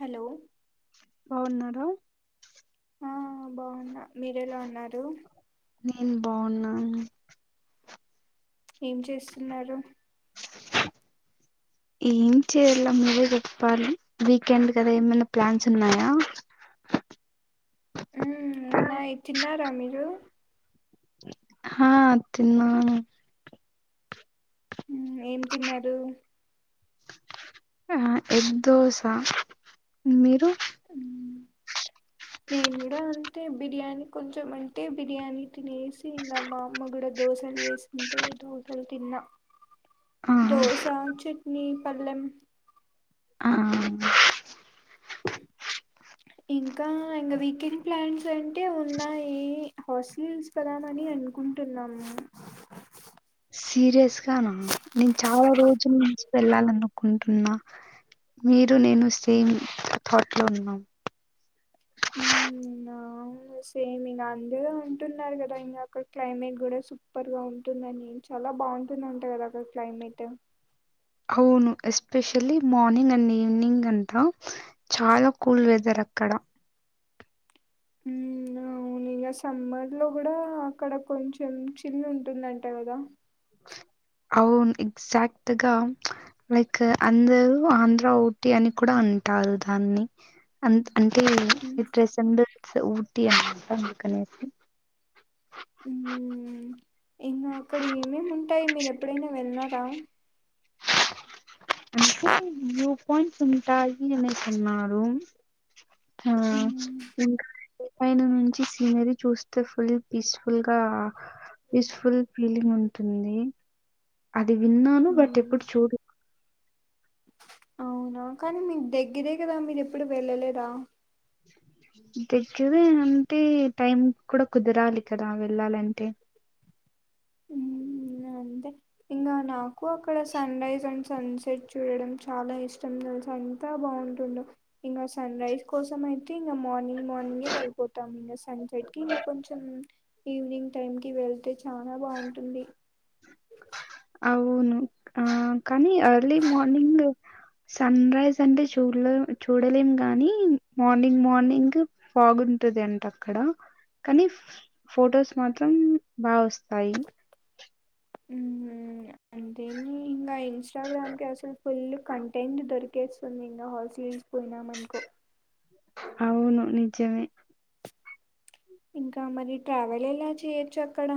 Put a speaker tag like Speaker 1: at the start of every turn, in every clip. Speaker 1: Hello
Speaker 2: బావున్నరు
Speaker 1: ఆహా బావున్న మీరెలా ఉన్నారు
Speaker 2: నేనే బావున్నాను
Speaker 1: ఏం చేస్తున్నారు
Speaker 2: ఏం చేయ్లా మువ్వే జొప్పాలి వీకెండ్ గదా ఏమైనా ప్లాన్సున్నాయా
Speaker 1: ఊ ఉన్నాయ్ తిన్నార మీరు
Speaker 2: హా తిన్నాను
Speaker 1: ఉహు ఏం తిన్నారు
Speaker 2: అహ ఎగ్ దోస మీరు
Speaker 1: ఊ నేనే గుడ అంతే బిర్యానీ కొంచంమంటే బిర్యానీ తినేసి ఇంగ మా అమ్మ గుడ దోసల్ వేసింటే దోసల్ తిన్నా
Speaker 2: ఆహా
Speaker 1: దోశ చెట్నీ పల్లెం
Speaker 2: ఆ
Speaker 1: ఇంకా ఇంగ వీకెండ్ ప్లాన్సంటే ఉన్నాయి హాస్లిల్స్ పోదామని అనుకుంటున్నాము
Speaker 2: సీరియస్ గానా నేన్ చాలా రోజుల్ నుంచి వెళ్ళాలనుకుంటున్నా మీరు నేను సేమ్ థాట్ లో ఉన్నాం
Speaker 1: ఉహూ నాన్ సేమ్ ఇంగ అందరు అంటున్నారు గదా ఇంగ క్లైమేట్ గుడా సూపర్ గా ఉంటుందని చాలా బావుంటుందంట గద అక్కడ క్లైమేట్టు
Speaker 2: అవును ఎస్పెషలీ మార్నింగ్ అండ్ ఈవనింగ్ అంతా చాలా కూల్ వెదర్ అక్కడ
Speaker 1: ఊనా వూనింగ సమ్మర్ లో గుడా అక్కడ కొంచెం చిల్లు ఉంటుందంట గదా
Speaker 2: అవున్ ఎగ్జాక్టు గా లైక్ అందరూ ఆంధ్ర వూటి అని కూడా అంటారు దాన్ని అంత్ అంటే ఈ ప్రెసెండేసు ఊటి అన్నమాట అందుకనేసి
Speaker 1: ఊ ఇంగ అక్కడ ఏమేముంటాయ్ మీరు ఎప్పుడైనా వెళ్న్నార
Speaker 2: అంటే రూప్ పాయింట్స్ ఉంటాయి అనేసి అన్నారు తా
Speaker 1: ఉమ్
Speaker 2: ఇంకా అండి ఆయన నుంచి సీనరీ చూస్తే ఫుల్ పీస్ఫుల్గా పీస్ఫుల్ ఫీలింగ్ ఉంటుంది అది విన్నాను బట్
Speaker 1: ఉమ్.
Speaker 2: ఇప్పుడు చూడు
Speaker 1: అవునా కానీ మీకు దగ్గిరే కదా మీరు ఎప్పుడు వెళ్ళలేదా
Speaker 2: దగ్గర అంటే టైం కూడా కుదరాలి కదా వెళ్ళాలంటే
Speaker 1: ఉమ్ అంతే ఇంగ నాకు అక్కడ సన్ రైజ ఉంటే సన్ సెట్ చూడడం చాలా ఇష్టం తెలుసు అంతా బాగుంటుందో ఇంగ సన్ రైజ్ కోసం అయితే ఇంగ మార్నింగ్ మార్నింగ్ వెళ్ళిపోతాం ఇంగ సన్ సెట్ కి ఇంగ కొంచెం ఈవినింగ్ టైంకి వెళ్తే చానా బాగుంటుంది
Speaker 2: వును ఆ కానీ అర్లీ మార్నింగ్ సన్ రైజ్ అంటే చూడలే చూడలేం గాని మార్నింగ్ మార్నింగ్ ఫాగు ఉంటది అంట అక్కడ కానీ ఫొటోస్ మాత్రం బా వస్తాయి
Speaker 1: ఉ అంతేని ఇంగ ఇన్స్టాగ్రామ్ కి అసలు ఫుల్ కంటెంట్ దొరి గెట్స్ పన్నాయింగ హాల్సీల్స్ పోయినామనుకో
Speaker 2: అవును నిజమే
Speaker 1: ఇంకా మరి ట్రావెల్ ఎలా చేయొచ్చు అక్కడ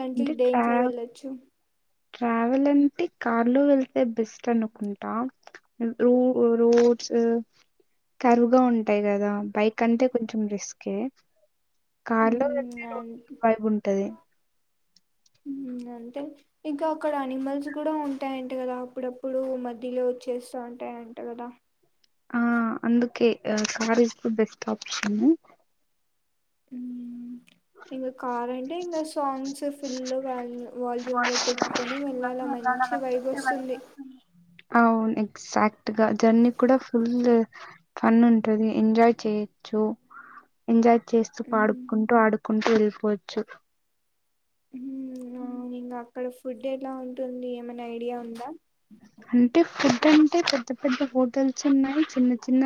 Speaker 1: దాంట్లో
Speaker 2: అంట
Speaker 1: దేంట్లో
Speaker 2: ట్రావ్
Speaker 1: వెళ్ళొచ్చు
Speaker 2: ట్రావెల్ అంటే కార్లో వెళ్తే బెస్ట్ అనుకుంటా రో రోడ్స్ కరువుగా ఉంటాయి కదా బైక్ అంటే కొంచెం రిస్కే కార్లో
Speaker 1: ఉమ్
Speaker 2: వెల్తే రోడ్
Speaker 1: అన్-
Speaker 2: వైబ్ ఉంటది
Speaker 1: ఇం అంతే ఇంకా అక్కడ అనిమల్స్ కూడా ఉంటాయంట కదా అప్పుడప్పుడు మధ్యలో వచ్చేస్తూ ఉంటాయంట కదా
Speaker 2: ఆ అందుకే కార్ ఇస్ బెస్ట్ ఆప్షను
Speaker 1: ఇంగ కారంటే ఇంగ సాంగ్స్ ఫిల్ కాల వాల్యూమ్లో
Speaker 2: వాషింగ్
Speaker 1: పెట్టుకొని
Speaker 2: కోసం
Speaker 1: వెళ్ళాలా
Speaker 2: అలాగా
Speaker 1: మంచి వైబ్ వస్తుంది
Speaker 2: వెళ్తే అవును ఎక్సాక్ట్గా జర్నీ కూడా ఫుల్ ఫన్ ఉంటది ఎంజాయ్ చేయొచ్చు ఎంజాయ్ చేస్తూ
Speaker 1: ఉమ్,
Speaker 2: పాడుకుంటూ ఆడుకుంటూ వెళ్ళిపోవచ్చు
Speaker 1: ఉమ్ ఇంగ అక్కడ ఫుడ్ ఎలా ఉంటుంది ఏమైనా ఐడియా ఉందా
Speaker 2: అంటే ఫుడ్ అంటే పెద్ద పెద్ద హోటల్స్ ఉన్నాయ్ చిన్న చిన్న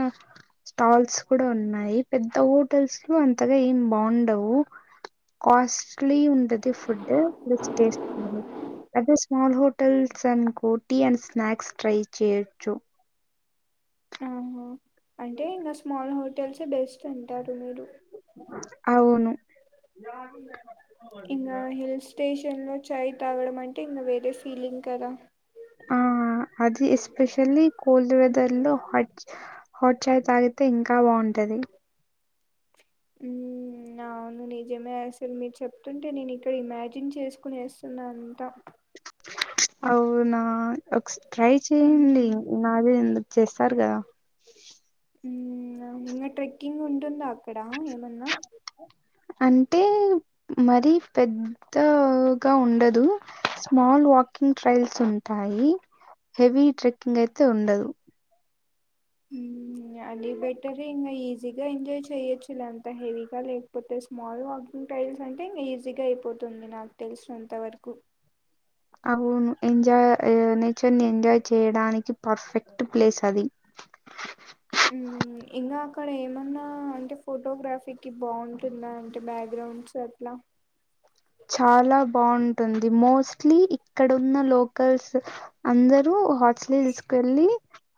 Speaker 2: స్టాల్స్ కూడా ఉన్నాయి పెద్ద హోటల్స్ లో అంతగా ఏం బాగుండవు కాస్ట్లీ ఉంటది ఫుడ్డు ప్లస్ అదే స్మాల్ హోటల్స్ అం కోటీ అండ్ స్నాక్స్ ట్రై చేయచ్చు
Speaker 1: ఆహా అంటే ఇంగ స్మాల్ హోటల్స్ ఏ బెస్ట్ అంటారు మీరు
Speaker 2: అవును
Speaker 1: ఇంగా హిల్ స్టేషన్లో చాయ్ తాగడం అంటే ఇంగ వేరే ఫీలింగ్ కదా
Speaker 2: ఆ అది ఎస్పెషల్లీ కోల్డ్ వెదర్లో హాట్ హాట్ చాయ్ తాగితే ఇంకా బాగుంటది
Speaker 1: ఉ అవును నిజమే అసలు మీరు చెప్తుంటే నేను ఇక్కడ ఇమాజిన్ చేసుకుని ఏస్తున్నా అంట
Speaker 2: అవునా ఒక ట్రై చేయండి నాదే ఎందు చేస్తారు కదా
Speaker 1: ఇంగ ట్రెక్కింగ్ ఉంటుందా అక్కడ ఏమన్నా
Speaker 2: అంటే మరి పె త్త గా ఉండదు స్మాల్ వాకింగ్ ట్రైల్స్ ఉంటాయి. హెవీ ట్రెక్కింగ్ అయితే ఉండదు.
Speaker 1: అది బెటర ఇంకా ఈజీగా ఎంజాయ్ చేయొచ్చు ఇ లేంత హెవీగా లేకపోతే. మోడల్ వాకింగ్ టైల్స్ అంటే ఇంకా ఈజీగా అయిపోతుంది నాకు తెలిసినంతవరకు.
Speaker 2: అవును ఎంజాయ్ నేచర్ ని ఎంజాయ్ చేయడానికి పర్ఫెక్ట్ ప్లేస్ అది.
Speaker 1: అ. ఇంకా అక్కడ ఏమన్నా అంటే ఫోటోగ్రఫీకి బాగుంటుందా అంటే బ్యాక్గ్రౌండ్స్ అట్లా.
Speaker 2: చాలా బాగుంటుంది మోస్ట్లీ ఇక్కడ ఉన్న లోకల్స్. అందరూ హార్స్లీ హిల్స్ కెళ్ళి.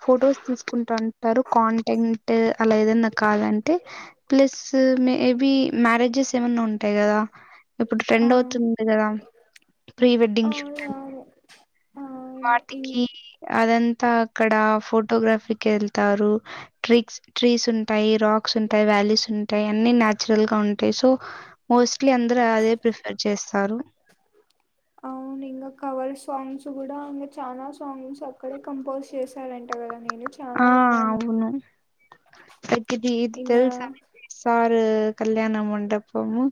Speaker 2: ఫొటోస్ తీసుకుంటుంటారు కాంటెంట్ అలా ఏదైన్నా కాదంటే. ప్లస్ మేబి మ్యారేజెస్ ఏమైన్నా ఉంటాయి కదా. ఇప్పుడు
Speaker 1: ఆ
Speaker 2: ట్రెండ్ అవుతుంది కదా ప్రీ వెడ్డింగ్ షూట్. అని,
Speaker 1: అవునవును అవును ఇం
Speaker 2: వాటికి అదంతా. ఇక్కడ ఫోటోగ్రఫీకి వెళ్తారు ట్రీక్స్ ట్రీస్ ఉంటాయి. రాక్స్ ఉంటాయి వ్యాలీస్ ఉంటాయి అన్ని న్యాచురల్ గా ఉంటాయి సో. మోస్ట్లీ అందరు అదే ప్రిఫర్ చేస్తారు.
Speaker 1: అవును ఇంకా కవర్ సాంగ్స్ కూడా ఇకా చాలనా సాంగ్స్ అక్కడే కంపోజ్. చేశాడంట కదా నేను. చాలా
Speaker 2: ఆ
Speaker 1: విన్నాను
Speaker 2: అవును తగ్గిదిద్
Speaker 1: ఇంగా
Speaker 2: తెలుసా. సారు కళ్యాణ మండపము.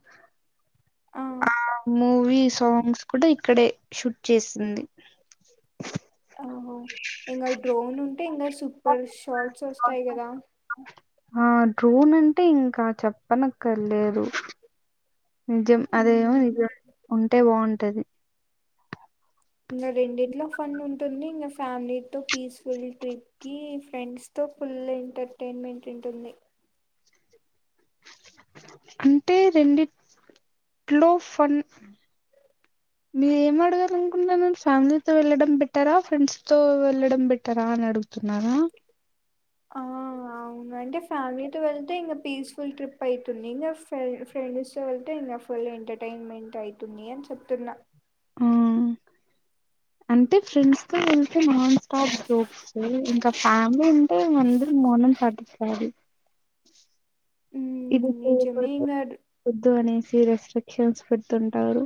Speaker 1: అ.
Speaker 2: ఆ మూవీ సాంగ్స్ కూడా ఇక్కడే షూట్ చేసింది.
Speaker 1: ఆహా ఇంకా డ్రోన్ ఉంటే ఇంకా సూపర్ షార్ట్స్ వస్తాయి కదా.
Speaker 2: ఆ డ్రోన్ అంటే ఇంకా చెప్పనక్కర్లేదు. నిజం అదేమో
Speaker 1: మ్
Speaker 2: నిజం ఉంటే బాగుంటది.
Speaker 1: ఇంకా రెండిట్లో ఫన్ ఉంటుంది ఇంకా ఫ్యామిలీతో పీస్ఫుల్ ట్రిప్. కి ఫ్రెండ్స్ తో ఫుల్ ఎంటర్టైన్మెంట్ ఉంటుంది.
Speaker 2: అంటే రెండిట్లో ఫన్. మీర ఏం అడగా అనుకుంటున్నాను ఫ్యామిలీతో వెళ్ళడం బెటరా ఫ్రెండ్స్ తో వెళ్ళడం బెటరా అని అడుగు. న్నార.
Speaker 1: ఆ. అవునా అంటే ఫ్యామిలీతో వెళ్తే ఇంకా పీస్ఫుల్ ట్రిప్ ఐతుంది ఇంకా ఫెల్ ఫ్రెండ్స్ తో వెళ్తే ఇంకా. ఫుల్ ఎంటర్టైన్మెంట్ అవుతుంది అని చెప్తున్నా.
Speaker 2: ఆ అంటే ఫ్రెండ్స్ తో. నాన్ స్టాప్ జూక్స్ ఇంకా ఫ్యామిలీ ఉంటే మందరు మౌనం పటిస్తి. ఇది
Speaker 1: ఉమ్ నిజమే
Speaker 2: చేయపోతే
Speaker 1: ఇంగ
Speaker 2: వద్దు అనేసి రెస్ట్రిక్షన్స్ పెడుతుంటారు.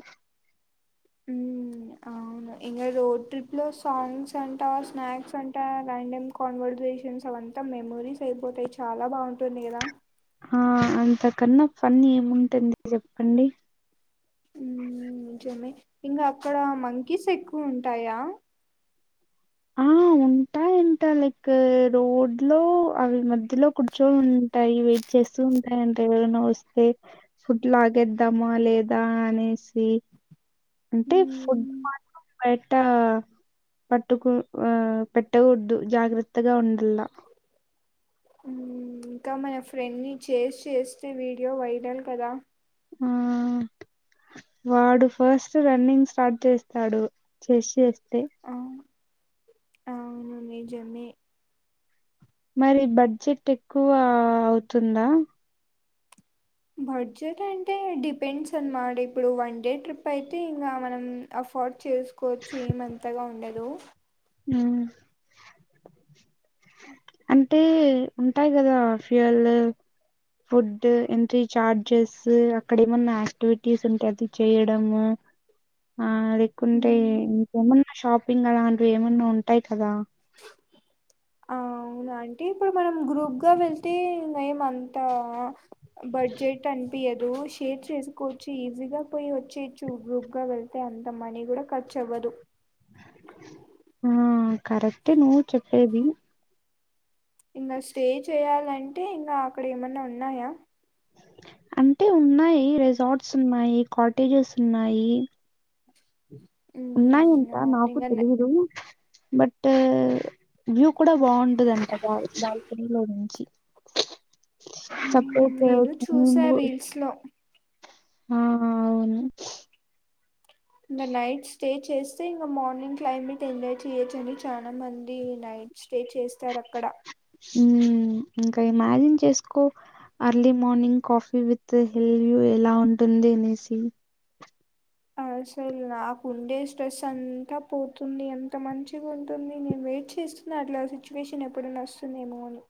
Speaker 1: ఉ. అవును ఇంకా రోడ్ ట్రిప్ లో సాంగ్స్ అంటా స్నాక్స్ అంటా రండేం. కాన్వర్జేషన్స్ అవంతా మెమరీస్ అయిపోతాయి చాలా బాగుంటుంది కదా.
Speaker 2: ఆ అంతకన్నా ఫన్నీ ఏముంటుంది చెప్పండి.
Speaker 1: చెమే ఇంకా అక్కడ మంకీస్ ఎక్కువ ఉంటాయా.
Speaker 2: ఆ ఉంటా ఎంట లైక్ రోడ్ లో అవి మధ్యలో కూర్చో. టాయి వెయిట్ చేస్తూ ఉంటాయి అంట ఎవరన్నా వస్తే. ఫుడ్ లాగేద్దామా లేదా అనేసి అంటే ఫుడ్
Speaker 1: ఉమ్
Speaker 2: మాత్రం బయట పట్టుకు ఆ పెట్టకూడదు జాగ్రత్తగా ఉండల్లా
Speaker 1: ఇంకా మన ఫ్రెండ్ని చేసి చేస్తే వీడియో వైరల్ కదా
Speaker 2: ఆ వాడు ఫస్ట్ రన్నింగ్ స్టార్ట్ చేస్తాడు చెస్ చేస్తే
Speaker 1: అవును అవును నిజమే
Speaker 2: మరి బడ్జెట్ ఎక్కువ అవుతుందా
Speaker 1: బడ్జెట్ అంటే డిపెండ్స్ అన్నమాట ఇప్పుడు వన్ డే ట్రిప్ అయితే ఇంకా మనం అఫోర్డ్ చేసు కోచ్చు ఏమంతగా ఉండదు
Speaker 2: హ్మ్ అంటే ఉంటాయి కదా ఫ్యూయల్ల్ ఫుడ్ ఎంట్రీ చార్జెస్ అక్కడ ఏమన్నా యాక్టివిటీస్ ఉంటే అది చేయడము ఆ లేకుంటే ఇంకేమన్నా షాపింగ్ అలాంటివి ఏమన్నా ఉంటాయి కదా
Speaker 1: ఆ అవును అంటే ఇప్పుడు మనం గ్రూప్గా వెళ్తే మేమంతా బడ్జెట్ అన్పియద్ షేర్ చేసుకోవచ్చు ఈజీగా పోయి వచ్చేయచ్చు గ్రూప్గా వెళ్తే అంత మనీ కూడా ఖర్చు అవ్వదు
Speaker 2: ఆ కరెక్టే నువ్వు చెప్పేది
Speaker 1: ఇంకా స్టే చేయాలంటే ఇంకా అక్కడ ఏమన్నా ఉన్నాయా
Speaker 2: అంటే ఉన్నాయి రిసార్ట్స్ ఉన్నాయి కాటేజెస్ ఉన్నాయి ఉన్నాయంత
Speaker 1: అవును
Speaker 2: నాకు
Speaker 1: ఇంగ
Speaker 2: తెలీదు బట్ టే వ్యూ కూడా బావుంటదంట గాలి బాల్కనీలో నుంచి
Speaker 1: నేను చూసా రీల్స్ లో
Speaker 2: [unintelligible] ఆ అవును
Speaker 1: న నైట్ స్టే చేస్తే ఇంకా మార్నింగ్ క్లైమేట్ ఎంజాయ్ చేయొచ్చు అని చాలా మంది నైట్ స్టే చేస్తారక్కడ
Speaker 2: మ్ ఇంకా ఇమాజిన్ చేసుకో early morning coffee with hill view ఎలా ఉంటుంది అనేసి
Speaker 1: అసలు నాకు ఉండే స్ట్రెస్ అంతా పోతుంది ఎంత మంచిగా ఉంటుంది నేను వెయిట్ చేస్తూ న్న అట్ల సిచ్యువేషన్ ఎప్పుడనా వస్తుందేమో అని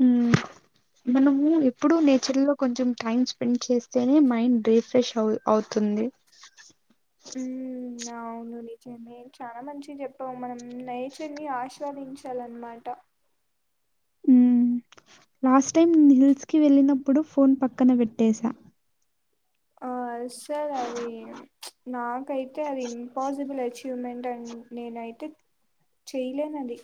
Speaker 2: హ్మ్. మనము ఎప్పుడు నేచర్లో కొంచెం టైం స్పెండ్ చేస్తేనే మైండ్ రీఫ్రెష్ అవు అవుతుంది
Speaker 1: ఉమ్ అవును నిజమే చాలా మంచిగ చెప్పావ్ మనం నేచర్ని ఆస్వాదించాలన్నమాట
Speaker 2: ఉమ్ లాస్ట్ టైం హిల్స్కి వెళ్ళినప్పుడు ఫోన్ పక్కన పెట్టసా
Speaker 1: ఆ అస్సల్ అది నాకైతే అది ఇంపాసిబుల్ ఎచి వ్‌మెంట్ అన్ నేనైతే చేయలేను అది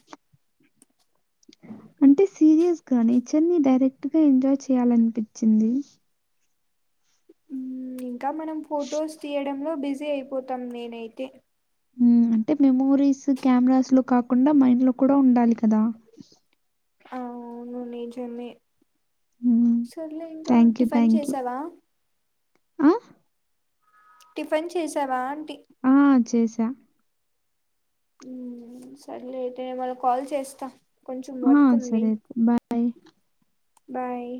Speaker 2: అంటే సీరియస్గా నేచర్ని డైరెక్ట్గా ఎంజాయ్ చేయాలనిపించింది
Speaker 1: ఉమ్ ఇంకా మనం ఫొటోస్ తీయడంలో బిజీ అయిపోతాం నేనైతే
Speaker 2: మ్ అంటే మెమోరీస్ కెమెరాస్లో కాకుండా మైండ్ లో కూడా ఉండాలి కదా
Speaker 1: అవును నిజమే
Speaker 2: హ్మ్.
Speaker 1: సర్లే ఇంకా టిఫన్ చేసావా
Speaker 2: అ
Speaker 1: టిఫిన్ చేసావా అంటి
Speaker 2: ఆ చేసా
Speaker 1: హ్ సరే లెట్ అయ్యా గాదా కాల్ చేస్తా కొంచెం
Speaker 2: ఆ!
Speaker 1: వర్క్ ఉంది.
Speaker 2: సరే అయితే బాయ్.
Speaker 1: బాయ్